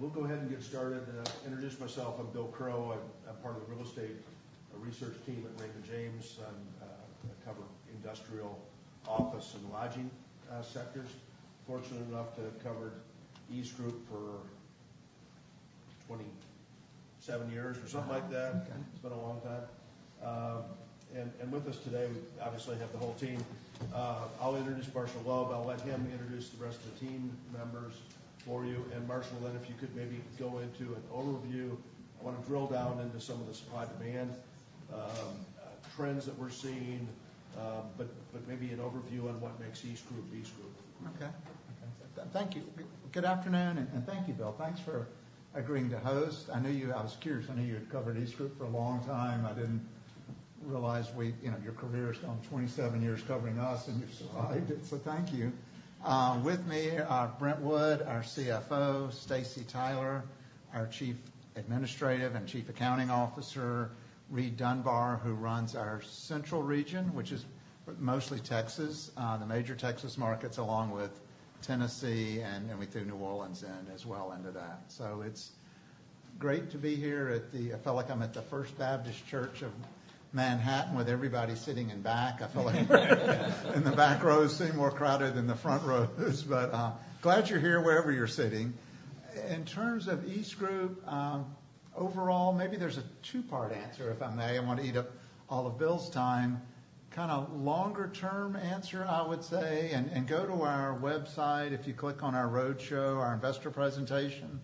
All right, we'll go ahead and get started. Introduce myself, I'm Bill Crow. I'm part of the real estate research team at Raymond James. I cover industrial, office, and lodging sectors. Fortunate enough to have covered EastGroup for 27 years or something like that. It's been a long time. And with us today, we obviously have the whole team. I'll introduce Marshall Loeb. I'll let him introduce the rest of the team members for you. And Marshall, then, if you could maybe go into an overview. I want to drill down into some of the supply/demand trends that we're seeing, but maybe an overview on what makes EastGroup, EastGroup. Okay. Thank you. Good afternoon, and thank you, Bill. Thanks for agreeing to host. I knew you... I was curious. I knew you had covered EastGroup for a long time. I didn't realize we, you know, your career is on 27 years covering us, and you survived, so thank you. With me are Brent Wood, our CFO; Staci Tyler, our Chief Administrative and Chief Accounting Officer; Reid Dunbar, who runs our Central Region, which is mostly Texas, the major Texas markets, along with Tennessee, and we threw New Orleans in as well into that. So it's great to be here. I feel like I'm at the First Baptist Church of Manhattan, with everybody sitting in back. I feel like in the back rows, sitting more crowded than the front rows, but glad you're here, wherever you're sitting. In terms of EastGroup, overall, maybe there's a two-part answer, if I may. I don't want to eat up all of Bill's time. Kind of longer term answer, I would say, and, and go to our website. If you click on our roadshow, our investor presentation,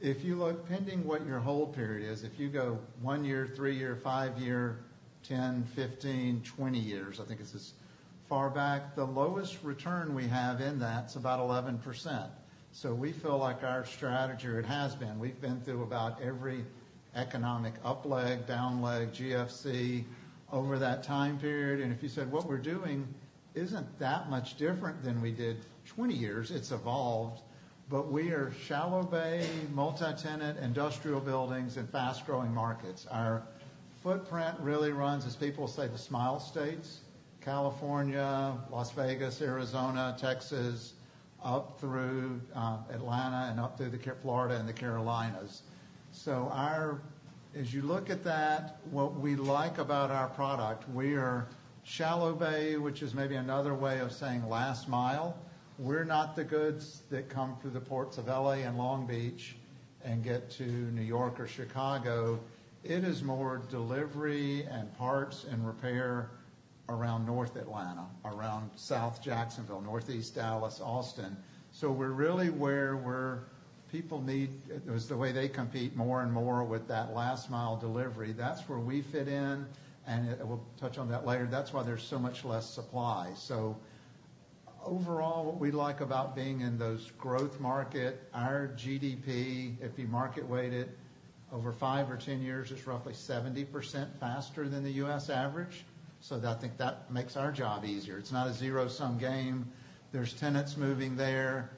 if you look, pending what your hold period is, if you go one year, three year, five year, 10, 15, 20 years, I think it's as far back, the lowest return we have in that is about 11%. So we feel like our strategy, or it has been, we've been through about every economic up leg, down leg, GFC over that time period. And if you said what we're doing isn't that much different than we did 20 years. It's evolved, but we are shallow bay, multi-tenant, industrial buildings in fast-growing markets. Our footprint really runs, as people say, the Smile States, California, Las Vegas, Arizona, Texas, up through Atlanta, and up through Florida, and the Carolinas. So, as you look at that, what we like about our product, we are shallow bay, which is maybe another way of saying last mile. We're not the goods that come through the ports of L.A. and Long Beach and get to New York or Chicago. It is more delivery and parts and repair around North Atlanta, around South Jacksonville, Northeast Dallas, Austin. So we're really where people need, as the way they compete more and more with that last mile delivery. That's where we fit in, and we'll touch on that later. That's why there's so much less supply. So overall, what we like about being in those growth market, our GDP, if you market weight it over five or 10 years, is roughly 70% faster than the U.S. average. So I think that makes our job easier. It's not a zero-sum game. There's tenants moving there.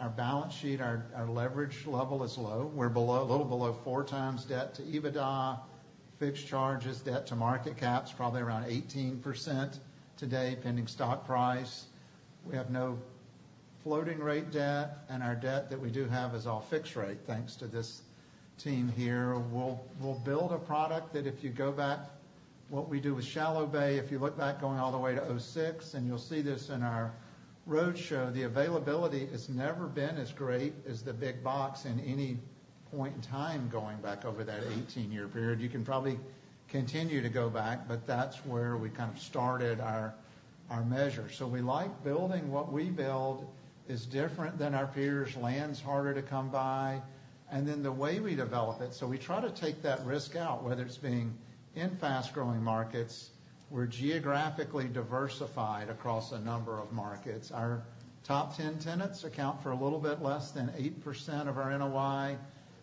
Our balance sheet, our leverage level is low. We're below, a little below 4x debt to EBITDA. Fixed charges, debt to market cap is probably around 18% today, pending stock price. We have no floating rate debt, and our debt that we do have is all fixed rate, thanks to this team here. We'll build a product that if you go back, what we do with shallow bay, if you look back going all the way to 2006, and you'll see this in our roadshow, the availability has never been as great as the big box in any point in time, going back over that 18-year period. You can probably continue to go back, but that's where we kind of started our measure. So we like building. What we build is different than our peers'. Land's harder to come by, and then the way we develop it. So we try to take that risk out, whether it's being in fast-growing markets. We're geographically diversified across a number of markets. Our top 10 tenants account for a little bit less than 8% of our NOI,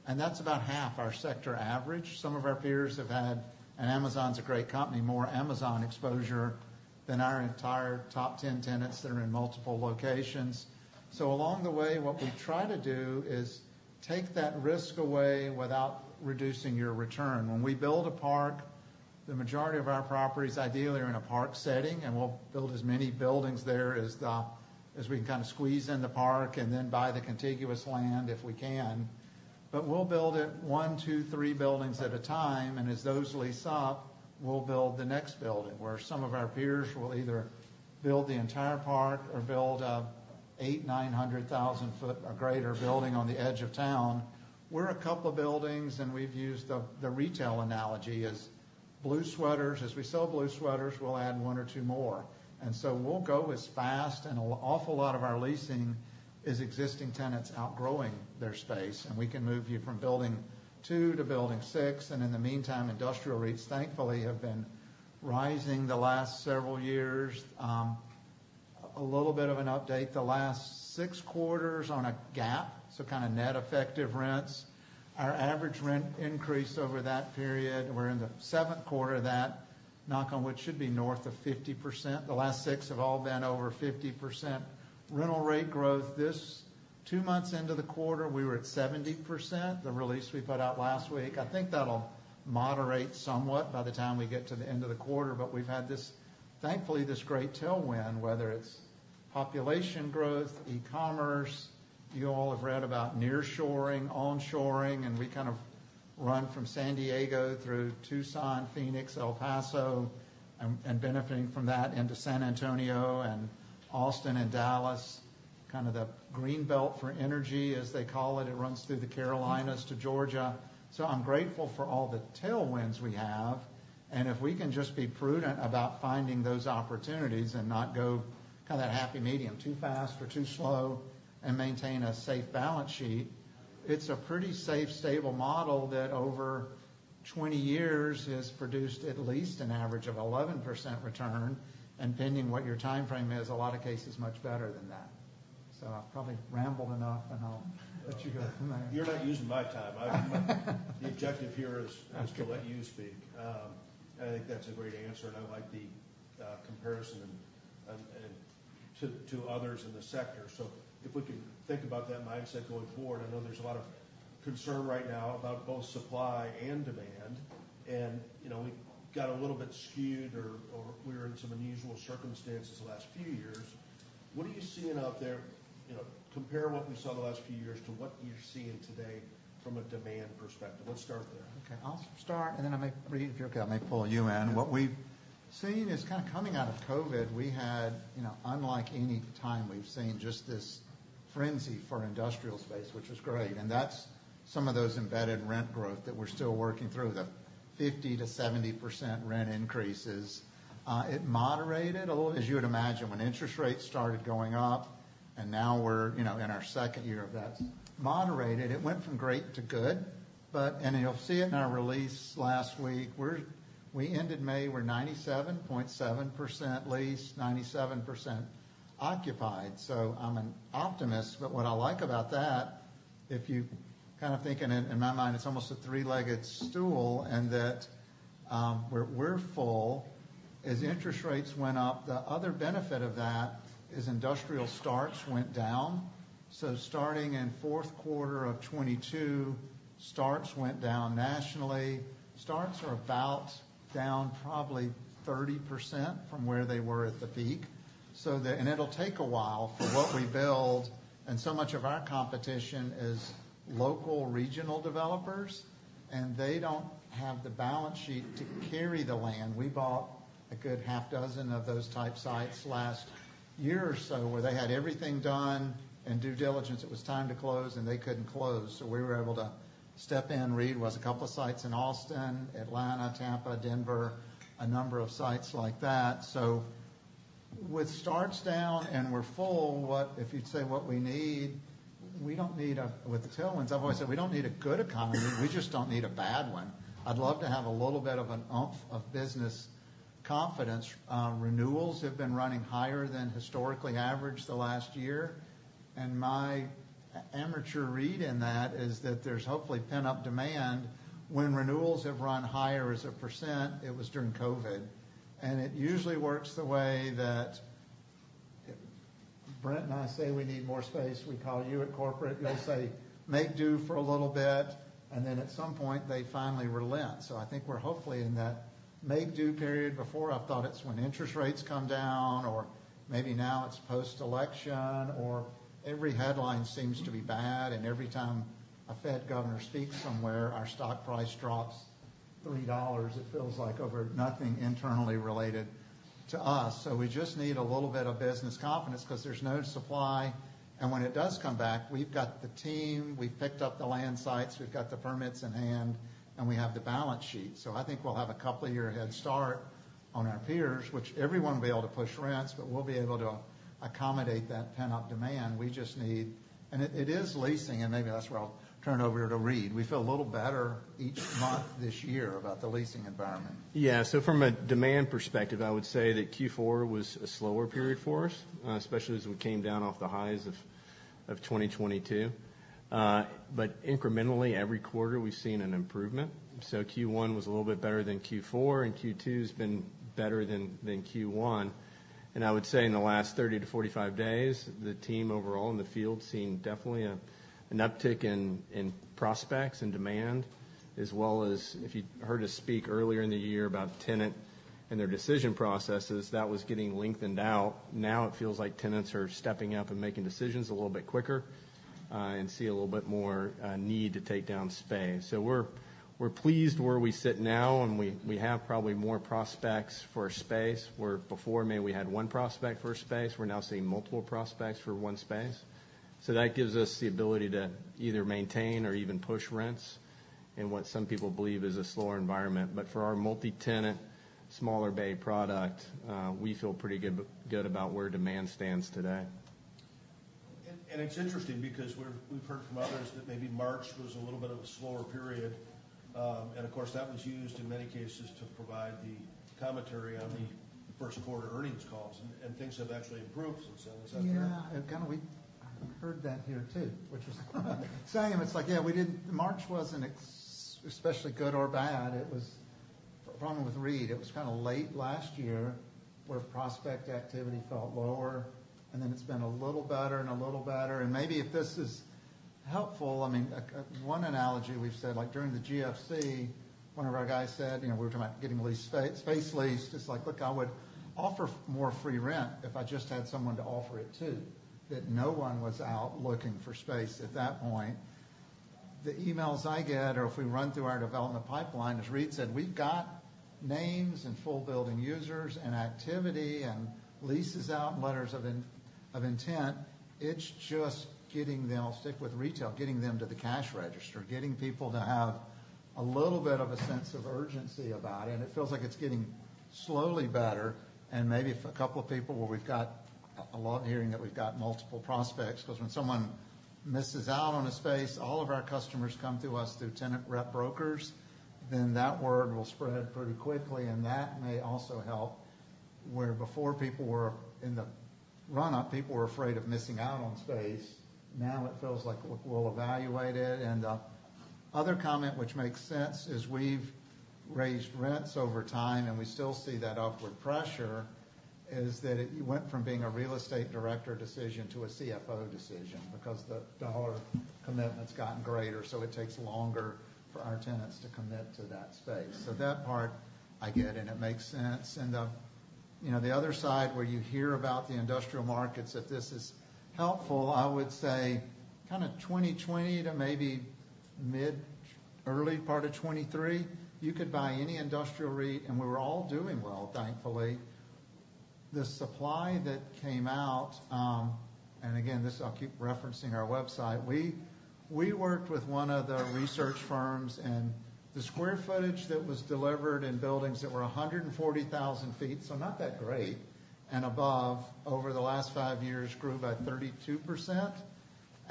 and that's about half our sector average. Some of our peers have had, and Amazon's a great company, more Amazon exposure than our entire top 10 tenants that are in multiple locations. So along the way, what we try to do is take that risk away without reducing your return. When we build a park, the majority of our properties, ideally, are in a park setting, and we'll build as many buildings there as we can kind of squeeze in the park, and then buy the contiguous land, if we can. But we'll build it 1, 2, 3 buildings at a time, and as those lease up, we'll build the next building, where some of our peers will either build the entire park or build an 800,000 ft, 900,000- ft or greater building on the edge of town. We're a couple buildings, and we've used the retail analogy as blue sweaters. As we sell blue sweaters, we'll add 1 or 2 more, and so we'll go as fast, and an awful lot of our leasing is existing tenants outgrowing their space, and we can move you from building 2 to building 6. And in the meantime, industrial rates, thankfully, have been rising the last several years. A little bit of an update, the last six quarters on a GAAP, so kind of net effective rents, our average rent increase over that period, we're in the 7th quarter of that, knock on wood, should be north of 50%. The last six have all been over 50%. Rental rate growth, this... two months into the quarter, we were at 70%, the release we put out last week. I think that'll moderate somewhat by the time we get to the end of the quarter, but we've had this, thankfully, this great tailwind, whether it's population growth, e-commerce. You all have read about nearshoring, onshoring, and we run from San Diego through Tucson, Phoenix, El Paso, and benefiting from that into San Antonio and Austin and Dallas, kind of the green belt for energy, as they call it. It runs through the Carolinas to Georgia. So I'm grateful for all the tailwinds we have, and if we can just be prudent about finding those opportunities and not go kind of that happy medium, too fast or too slow, and maintain a safe balance sheet, it's a pretty safe, stable model that over 20 years has produced at least an average of 11% return, and depending what your time frame is, a lot of cases, much better than that. So I've probably rambled enough, and I'll let you go. You're not using my time. The objective here is to let you speak. I think that's a great answer, and I like the comparison and to others in the sector. So if we can think about that mindset going forward, I know there's a lot of concern right now about both supply and demand, and, you know, we've got a little bit skewed, or we're in some unusual circumstances the last few years. What are you seeing out there? You know, compare what we saw the last few years to what you're seeing today from a demand perspective. Let's start there. Okay, I'll start, and then I may, Reid, if you're okay, I may pull you in. What we've seen is kind of coming out of COVID, we had, you know, unlike any time we've seen, just this frenzy for industrial space, which was great, and that's some of those embedded rent growth that we're still working through, the 50%-70% rent increases. It moderated a little, as you would imagine, when interest rates started going up, and now we're, you know, in our second year of that. Moderated, it went from great to good, but... And you'll see it in our release last week, we ended May, we're 97.7% leased, 97% occupied. So I'm an optimist, but what I like about that, if you kind of think, and in my mind, it's almost a three-legged stool, and that, we're full. As interest rates went up, the other benefit of that is industrial starts went down. So starting in fourth quarter of 2022, starts went down nationally. Starts are about down probably 30% from where they were at the peak. So and it'll take a while for what we build, and so much of our competition is local, regional developers, and they don't have the balance sheet to carry the land. We bought a good about 6 of those type sites last year or so, where they had everything done and due diligence, it was time to close, and they couldn't close, so we were able to step in. Reid, was a couple of sites in Austin, Atlanta, Tampa, Denver, a number of sites like that. So with starts down and we're full, what if you'd say what we need, we don't need a... With the tailwinds, I've always said, "We don't need a good economy. We just don't need a bad one." I'd love to have a little bit of an oomph of business confidence. Renewals have been running higher than historically average the last year, and my amateur read in that is that there's hopefully pent-up demand. When renewals have run higher as a percent, it was during COVID. And it usually works the way that, Brent and I say we need more space, we call you at corporate, you'll say, "Make do for a little bit," and then at some point, they finally relent. So I think we're hopefully in that make do period. Before, I thought it's when interest rates come down, or maybe now it's post-election, or every headline seems to be bad, and every time a Fed governor speaks somewhere, our stock price drops $3, it feels like, over nothing internally related to us. So we just need a little bit of business confidence because there's no supply, and when it does come back, we've got the team, we've picked up the land sites, we've got the permits in hand, and we have the balance sheet. So I think we'll have a couple of year head start on our peers, which everyone will be able to push rents, but we'll be able to accommodate that pent-up demand. We just need... And it, it is leasing, and maybe that's where I'll turn it over to Reid. We feel a little better each month this year about the leasing environment. Yeah. So from a demand perspective, I would say that Q4 was a slower period for us, especially as we came down off the highs of 2022. But incrementally, every quarter, we've seen an improvement. So Q1 was a little bit better than Q4, and Q2's been better than Q1. And I would say in the last 30-45 days, the team overall in the field seen definitely an uptick in prospects and demand, as well as if you heard us speak earlier in the year about tenant and their decision processes, that was getting lengthened out. Now it feels like tenants are stepping up and making decisions a little bit quicker, and see a little bit more need to take down space. So we're, we're pleased where we sit now, and we, we have probably more prospects for space, where before maybe we had one prospect for a space, we're now seeing multiple prospects for one space. So that gives us the ability to either maintain or even push rents in what some people believe is a slower environment. But for our multi-tenant, smaller bay product, we feel pretty good, good about where demand stands today. It's interesting because we've heard from others that maybe March was a little bit of a slower period. And of course, that was used in many cases to provide the commentary on the first quarter earnings calls, and things have actually improved since then. Is that fair? Yeah. Again, we heard that here, too, which is saying it's like: Yeah, we didn't—March wasn't especially good or bad. It was... The problem with Reid, it was kind of late last year, where prospect activity felt lower, and then it's been a little better and a little better. And maybe if this is helpful, I mean, one analogy we've said, like, during the GFC, one of our guys said, you know, we were talking about getting lease space leased. Just like, "Look, I would offer more free rent if I just had someone to offer it to."... that no one was out looking for space at that point. The emails I get, or if we run through our development pipeline, as Reid said, we've got names and full building users, and activity and leases out, and letters of intent. It's just getting them, I'll stick with retail, getting them to the cash register, getting people to have a little bit of a sense of urgency about it. And it feels like it's getting slowly better, and maybe if a couple of people, where we've got a lot hearing that we've got multiple prospects, 'cause when someone misses out on a space, all of our customers come to us through tenant rep brokers, then that word will spread pretty quickly, and that may also help. Where before people were in the run-up, people were afraid of missing out on space. Now it feels like, look, we'll evaluate it. And the other comment, which makes sense, is we've raised rents over time, and we still see that upward pressure, is that it went from being a real estate director decision to a CFO decision, because the dollar commitment's gotten greater, so it takes longer for our tenants to commit to that space. So that part I get, and it makes sense. And, you know, the other side, where you hear about the industrial markets, that this is helpful, I would say, kind of 2020 to maybe mid-early part of 2023, you could buy any industrial REIT, and we were all doing well, thankfully. The supply that came out, and again, this I'll keep referencing our website. We, we worked with one of the research firms, and the square footage that was delivered in buildings that were 140,000 ft, so not that great, and above, over the last five years grew by 32%.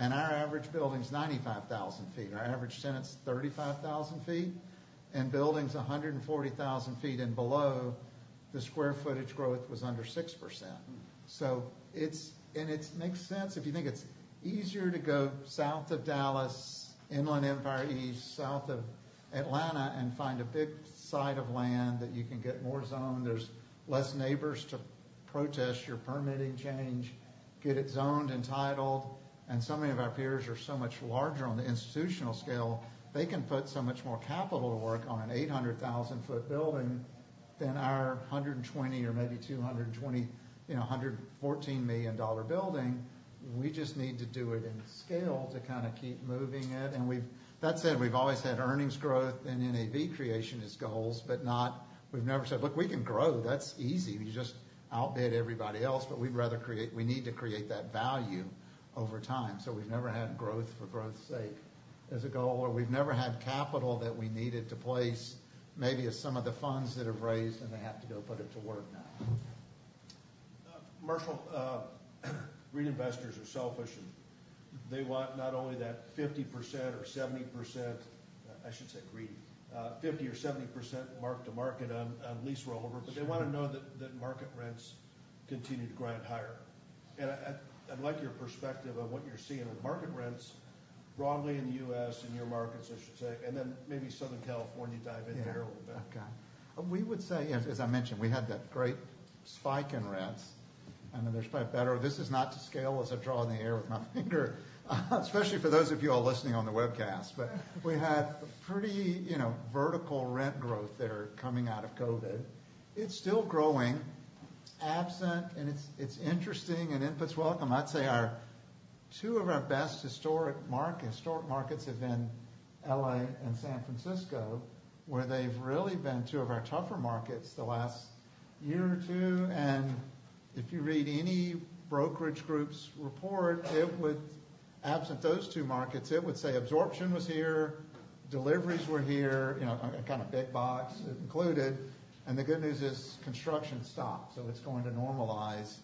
Our average building's 95,000 ft. Our average tenant's 35,000 ft, and buildings 140,000 ft and below, the square footage growth was under 6%. So it's... And it makes sense if you think it's easier to go south of Dallas, Inland Empire, east, south of Atlanta, and find a big site of land that you can get more zoned. There's less neighbors to protest your permitting change, get it zoned and titled, and so many of our peers are so much larger on the institutional scale. They can put so much more capital to work on an 800,000 ft building than our 120,000 or maybe 220,000, you know, $114 million building. We just need to do it in scale to kind of keep moving it. And we've. That said, we've always had earnings growth and NAV creation as goals, but not. We've never said, "Look, we can grow. That's easy. You just outbid everybody else." But we'd rather create. We need to create that value over time. So we've never had growth for growth's sake as a goal, or we've never had capital that we needed to place, maybe as some of the funds that have raised, and they have to go put it to work now. Marshall, REIT investors are selfish, and they want not only that 50% or 70%, I should say, greedy, 50% or 70% mark-to-market on lease rollover, but they want to know that market rents continue to grind higher. And I, I'd like your perspective on what you're seeing with market rents broadly in the U.S., in your markets, I should say, and then maybe Southern California, dive in there a little bit. Yeah. Okay. We would say, as, as I mentioned, we had that great spike in rents, and then there's probably better. This is not to scale, as I draw in the air with my finger, especially for those of you all listening on the webcast. But we had pretty, you know, vertical rent growth there coming out of COVID. It's still growing, absent, and it's, it's interesting and inputs welcome. I'd say our, two of our best historic market- historic markets have been L.A. and San Francisco, where they've really been two of our tougher markets the last year or two, and if you read any brokerage group's report, it would... Absent those two markets, it would say absorption was here, deliveries were here, you know, a kind of big box included, and the good news is construction stopped, so it's going to normalize.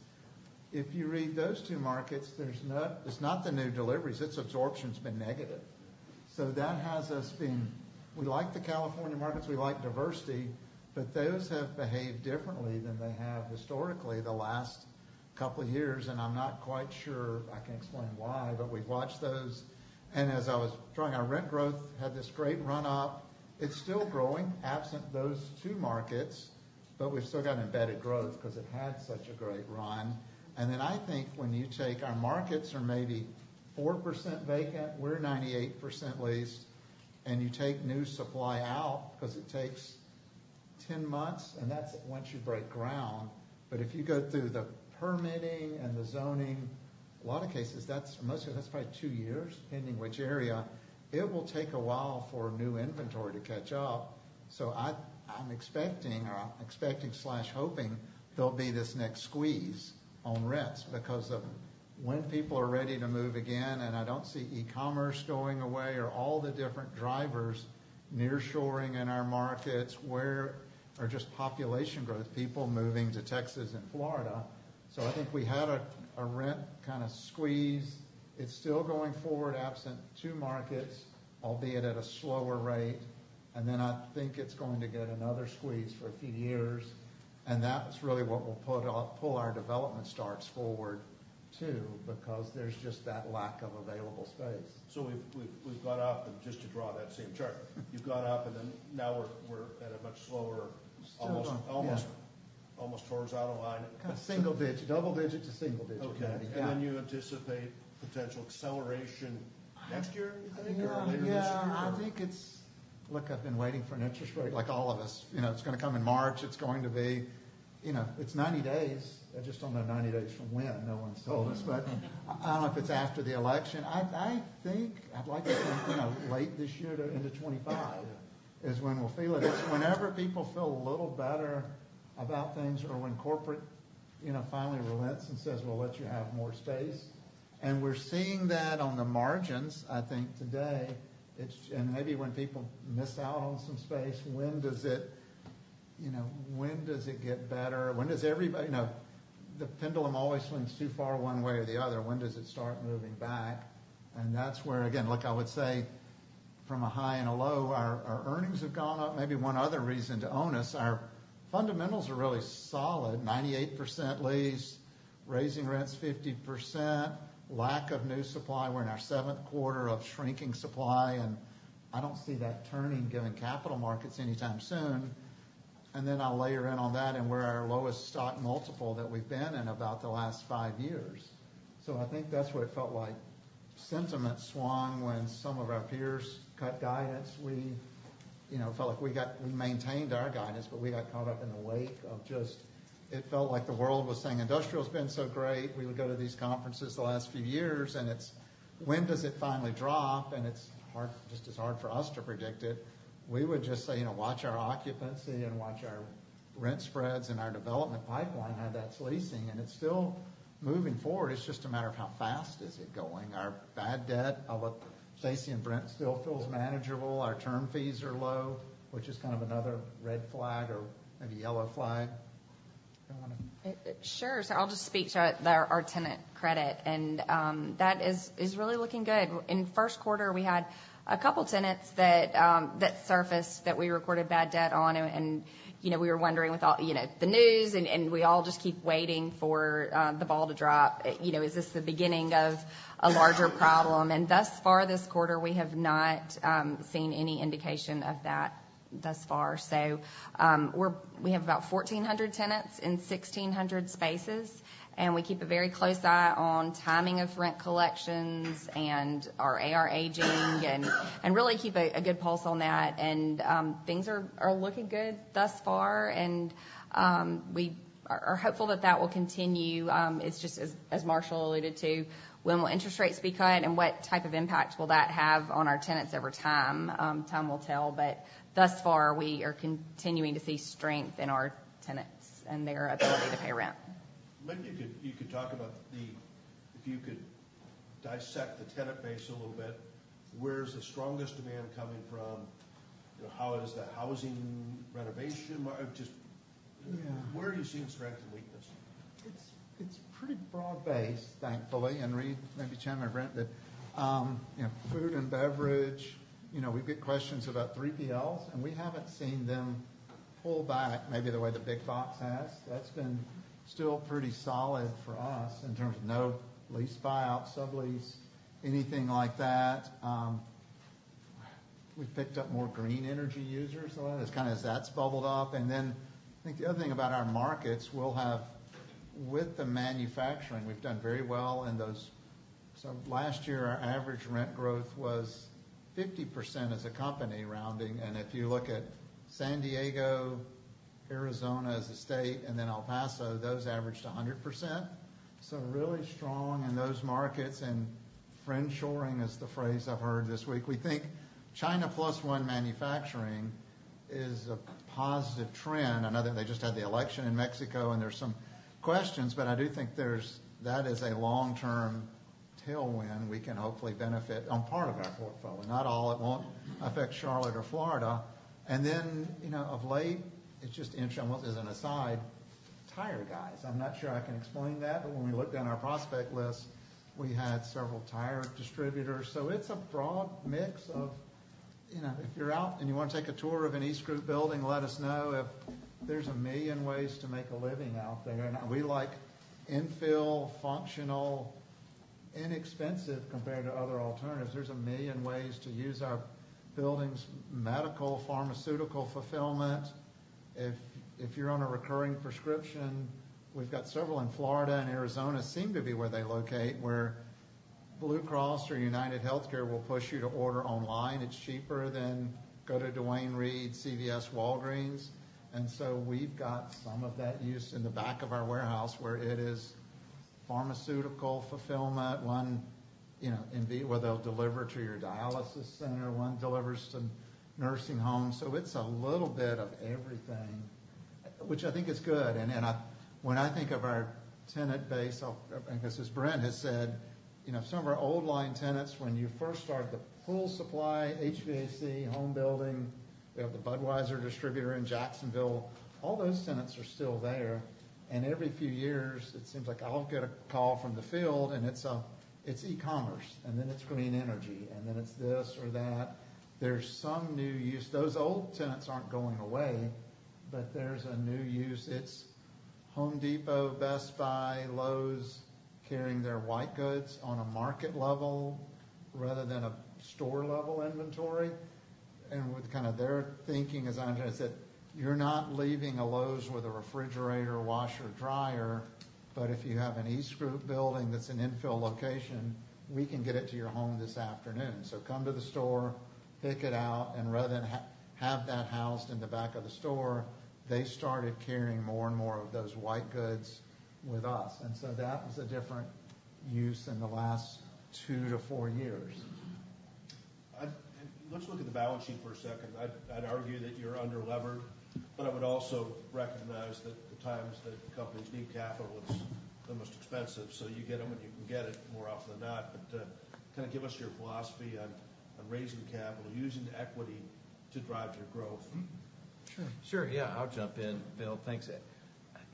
If you read those two markets, there's no, it's not the new deliveries, it's absorption's been negative. So that has us being... We like the California markets, we like diversity, but those have behaved differently than they have historically the last couple of years, and I'm not quite sure I can explain why, but we've watched those. And as I was drawing, our rent growth had this great run up. It's still growing, absent those two markets, but we've still got embedded growth because it had such a great run. And then I think when you take our markets are maybe 4% vacant, we're 98% leased, and you take new supply out, because it takes 10 months, and that's once you break ground. But if you go through the permitting and the zoning, a lot of cases, that's mostly, that's probably two years, depending which area. It will take a while for new inventory to catch up. So I'm expecting or hoping there'll be this next squeeze on rents because of when people are ready to move again, and I don't see e-commerce going away or all the different drivers, nearshoring in our markets, or just population growth, people moving to Texas and Florida. So I think we had a rent kind of squeeze. It's still going forward, absent two markets, albeit at a slower rate, and then I think it's going to get another squeeze for a few years. And that's really what will pull our development starts forward, too, because there's just that lack of available space. So we've gone up, and just to draw that same chart, you've gone up, and then now we're at a much slower- Still going, yeah. almost, almost horizontal line. Kind of single digit, double digit to single digit. Okay. Yeah. You anticipate potential acceleration next year, you think, or later this year? Yeah, I think it's. Look, I've been waiting for an interest rate, like all of us. You know, it's gonna come in March. It's going to be, you know, it's 90 days. I just don't know 90 days from when. No one's told us, but I don't know if it's after the election. I, I think I'd like it to, you know, late this year to end of 2025, is when we'll feel it. Whenever people feel a little better about things or when corporate, you know, finally relents and says, "We'll let you have more space." And we're seeing that on the margins, I think, today, it's, and maybe when people miss out on some space, when does it, you know, when does it get better? When does everybody, you know, the pendulum always swings too far one way or the other. When does it start moving back? That's where, again, look, I would say, from a high and a low, our earnings have gone up. Maybe one other reason to own us, our fundamentals are really solid. 98% leased, raising rents 50%, lack of new supply. We're in our 7th quarter of shrinking supply, and I don't see that turning, given capital markets, anytime soon. And then I'll layer in on that, and we're at our lowest stock multiple that we've been in about the last five years. So I think that's what it felt like. Sentiment swung when some of our peers cut guidance. We, you know, felt like we got, we maintained our guidance, but we got caught up in the wake of just... It felt like the world was saying industrial's been so great. We would go to these conferences the last few years, and it's, "When does it finally drop?" And it's hard, just as hard for us to predict it. We would just say, "You know, watch our occupancy and watch our rent spreads and our development pipeline, how that's leasing," and it's still moving forward. It's just a matter of how fast is it going. Our bad debt, how about Staci and Brent, still feels manageable. Our term fees are low, which is kind of another red flag or maybe yellow flag. Go on. Sure. So I'll just speak to our tenant credit, and that is really looking good. In the first quarter, we had a couple tenants that surfaced that we recorded bad debt on. And, you know, we were wondering with all, you know, the news, and we all just keep waiting for the ball to drop. You know, is this the beginning of a larger problem? And thus far, this quarter, we have not seen any indication of that thus far. So, we have about 1,400 tenants in 1,600 spaces, and we keep a very close eye on timing of rent collections and our AR aging, and really keep a good pulse on that. And, things are looking good thus far, and we are hopeful that that will continue. It's just as Marshall alluded to, when will interest rates be cut, and what type of impact will that have on our tenants over time? Time will tell, but thus far, we are continuing to see strength in our tenants and their ability to pay rent. Maybe you could talk about the... If you could dissect the tenant base a little bit, where's the strongest demand coming from? You know, how is the housing renovation? Or just- Yeah. Where are you seeing strength and weakness? It's pretty broad-based, thankfully, and Reid, maybe Chad and Brent that, you know, food and beverage, you know, we get questions about 3PLs, and we haven't seen them pull back maybe the way the big box has. That's been still pretty solid for us in terms of no lease buyouts, sublease, anything like that. We've picked up more green energy users, so that, it's kind of as that's bubbled up. And then I think the other thing about our markets, we'll have with the manufacturing, we've done very well in those. So last year, our average rent growth was 50% as a company, rounding. And if you look at San Diego, Arizona as a state, and then El Paso, those averaged 100%. So really strong in those markets, and friendshoring is the phrase I've heard this week. We think China plus one manufacturing is a positive trend. I know that they just had the election in Mexico, and there's some questions, but I do think there's that is a long-term tailwind we can hopefully benefit on part of our portfolio. Not all. It won't affect Charlotte or Florida. And then, you know, of late, it's just in China, as an aside, tire guys. I'm not sure I can explain that, but when we looked down our prospect list, we had several tire distributors. So it's a broad mix of, you know, if you're out and you want to take a tour of an EastGroup building, let us know. If there's a million ways to make a living out there, and we like infill, functional, inexpensive, compared to other alternatives, there's a million ways to use our buildings. Medical, pharmaceutical, fulfillment. If you're on a recurring prescription, we've got several in Florida and Arizona seem to be where they locate, where Blue Cross or UnitedHealthcare will push you to order online. It's cheaper than go to Duane Reade, CVS, Walgreens. And so we've got some of that use in the back of our warehouse, where it is pharmaceutical fulfillment. One, you know, in Vegas, where they'll deliver to your dialysis center. One delivers to nursing homes. So it's a little bit of everything, which I think is good. And I—when I think of our tenant base, I'll, and as Brent has said, you know, some of our old line tenants, when you first started the pool supply, HVAC, home building, we have the Budweiser distributor in Jacksonville. All those tenants are still there, and every few years, it seems like I'll get a call from the field, and it's e-commerce, and then it's green energy, and then it's this or that. There's some new use. Those old tenants aren't going away, but there's a new use. It's Home Depot, Best Buy, Lowe's, carrying their white goods on a market level rather than a store-level inventory. And with kind of their thinking, as Andre said, you're not leaving a Lowe's with a refrigerator, washer, dryer, but if you have an EastGroup building that's an infill location, we can get it to your home this afternoon. So come to the store, pick it out, and rather than have that housed in the back of the store, they started carrying more and more of those white goods with us. That was a different use in the last 2-4 years. Let's look at the balance sheet for a second. I'd argue that you're underlevered, but I would also recognize that the times that companies need capital, it's the most expensive, so you get them when you can get it more often than not. But, kind of give us your philosophy on raising capital, using equity to drive your growth. Sure. Sure, yeah. I'll jump in, Bill. Thanks.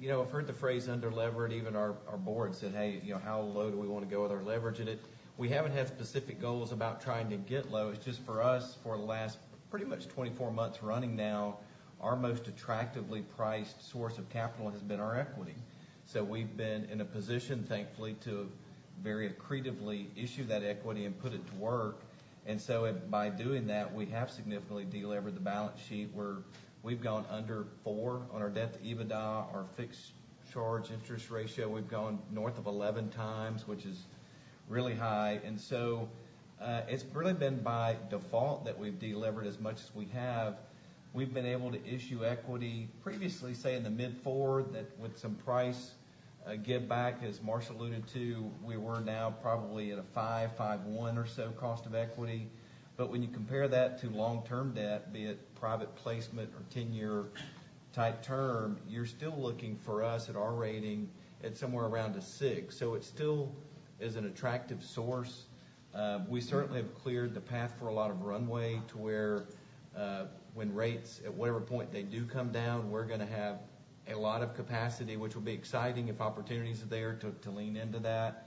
You know, I've heard the phrase underlevered. Even our board said, "Hey, you know, how low do we want to go with our leverage in it?" We haven't had specific goals about trying to get low. It's just for us, for the last pretty much 24 months running now, our most attractively priced source of capital has been our equity. So we've been in a position, thankfully, to very accretively issue that equity and put it to work. And so by doing that, we have significantly delevered the balance sheet, where we've gone under 4 on our debt EBITDA, our fixed charge interest ratio, we've gone north of 11 times, which is really high. And so, it's really been by default that we've delevered as much as we have. We've been able to issue equity previously, say, in the mid-4, that with some price give back, as Marsh alluded to, we were now probably at a 5%, 5.1% or so cost of equity. But when you compare that to long-term debt, be it private placement or 10-year type term, you're still looking for us at our rating at somewhere around a 6%. So it still is an attractive source. We certainly have cleared the path for a lot of runway to where, when rates, at whatever point they do come down, we're gonna have a lot of capacity, which will be exciting if opportunities are there to lean into that.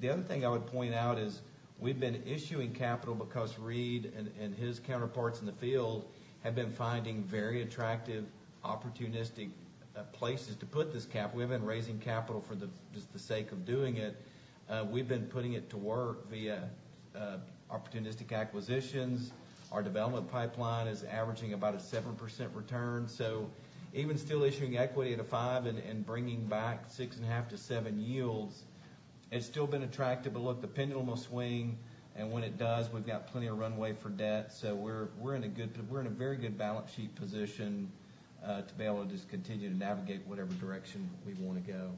The other thing I would point out is, we've been issuing capital because Reid and his counterparts in the field have been finding very attractive, opportunistic places to put this cap. We haven't been raising capital for just the sake of doing it. We've been putting it to work via opportunistic acquisitions. Our development pipeline is averaging about a 7% return. So even still issuing equity at a 5% and and bringing back 6.5%-7% yields, it's still been attractive. But look, the pendulum will swing, and when it does, we've got plenty of runway for debt. So we're in a very good balance sheet position to be able to just continue to navigate whatever direction we want to go.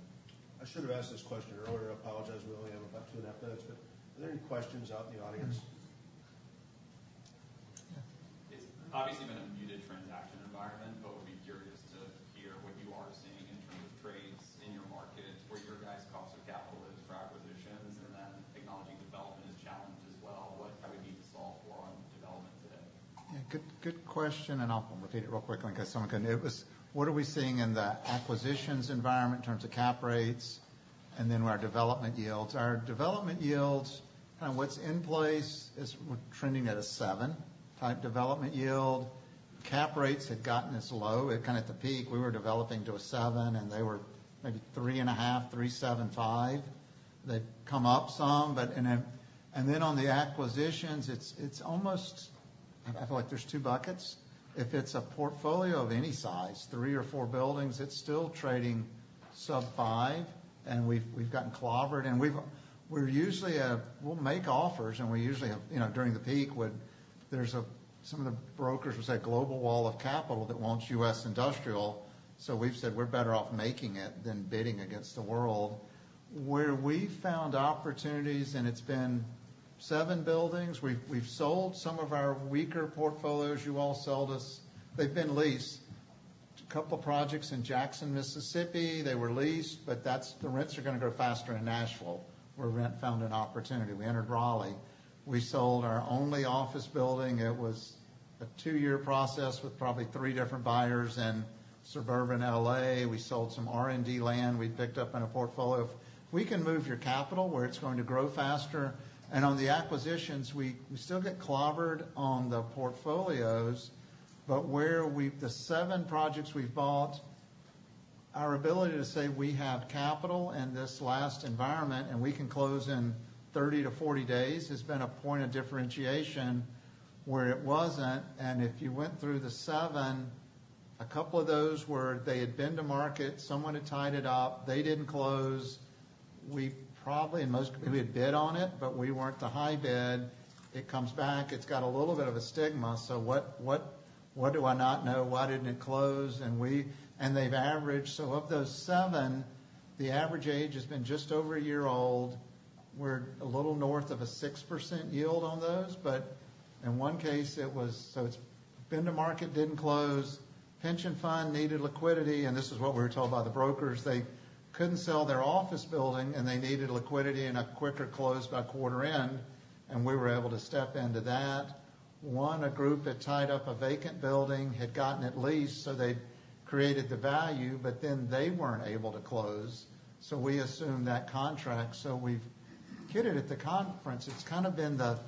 I should have asked this question earlier. I apologize. We only have about two minutes left, but are there any questions out in the audience? Yeah. It's obviously been a muted transaction environment, but would be curious to hear what you are seeing in terms of trades in your market, where your guys' cost of capital is for acquisitions, and then technology development is challenged as well. What are we need to solve for on development today? Yeah, good, good question, and I'll repeat it real quickly in case someone couldn't hear. It was, what are we seeing in the acquisitions environment in terms of cap rates and then our development yields? Our development yields, and what's in place is we're trending at a 7-type development yield. Cap rates had gotten this low. At kind of the peak, we were developing to a 7, and they were maybe 3.5, 3.75. They've come up some, but and then, and then on the acquisitions, it's, it's almost... I feel like there's two buckets. If it's a portfolio of any size, 3 or 4 buildings, it's still trading sub-5, and we've, we've gotten clobbered. We've usually—we'll make offers, and we usually have, you know, during the peak when there's a, some of the brokers will say, global wall of capital that wants U.S. industrial. So we've said we're better off making it than bidding against the world. Where we found opportunities, and it's been 7 buildings, we've sold some of our weaker portfolios. You all sold us. They've been leased. A couple projects in Jackson, Mississippi, they were leased, but that's the rents are going to grow faster in Nashville, where Reid found an opportunity. We entered Raleigh. We sold our only office building. It was a two-year process with probably 3 different buyers in suburban L.A. We sold some R&D land we picked up in a portfolio. We can move your capital where it's going to grow faster, and on the acquisitions, we still get clobbered on the portfolios, but where we've, the 7 projects we've bought, our ability to say we have capital in this last environment, and we can close in 30-40 days, has been a point of differentiation where it wasn't. And if you went through the 7, a couple of those were, they had been to market, someone had tied it up, they didn't close. We probably, most, we had bid on it, but we weren't the high bid. It comes back, it's got a little bit of a stigma, so what do I not know? Why didn't it close? And they've averaged... So of those 7, the average age has been just over a year old. We're a little north of a 6% yield on those, but in one case, it was, so it's been to market, didn't close, pension fund, needed liquidity, and this is what we were told by the brokers. They couldn't sell their office building, and they needed liquidity and a quicker close by quarter end, and we were able to step into that. One, a group that tied up a vacant building, had gotten it leased, so they created the value, but then they weren't able to close, so we assumed that contract. So we've kidded it at the conference. It's kind of been the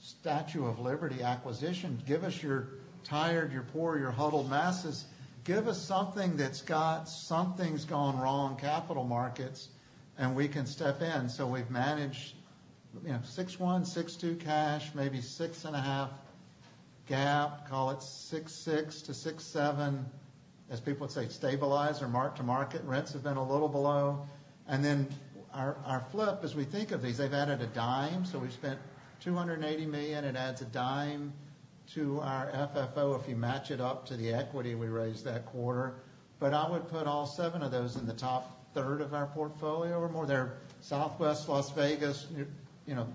Statue of Liberty acquisition. Give us your tired, your poor, your huddled masses. Give us something that's got something's gone wrong, capital markets, and we can step in. So we've managed, you know, 6.1%, 6.2% cash, maybe 6.5% GAAP, call it 6.6%-6.7%. As people would say, stabilized or mark-to-market, rents have been a little below. And then our flip, as we think of these, they've added a dime, so we've spent $280 million. It adds a dime to our FFO if you match it up to the equity we raised that quarter. But I would put all seven of those in the top third of our portfolio or more. They're Southwest Las Vegas, you know,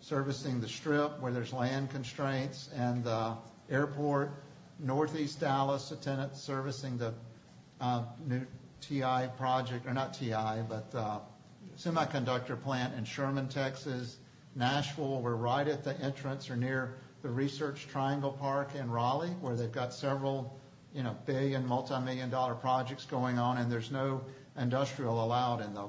servicing the Strip, where there's land constraints and airport. Northeast Dallas, a tenant servicing the new TI project, or not TI, but semiconductor plant in Sherman, Texas. Nashville, we're right at the entrance or near the Research Triangle Park in Raleigh, where they've got several billion-dollar, multi-million-dollar projects going on, and there's no industrial allowed in the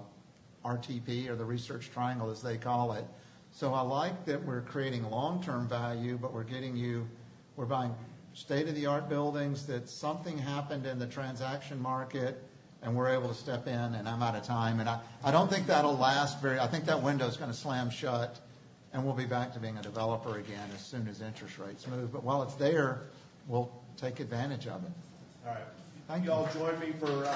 RTP or the Research Triangle, as they call it. So I like that we're creating long-term value, but we're buying state-of-the-art buildings, that something happened in the transaction market, and we're able to step in, and I'm out of time, and I don't think that'll last very... I think that window is gonna slam shut, and we'll be back to being a developer again as soon as interest rates move. But while it's there, we'll take advantage of it. All right. Thank you all. Join me for,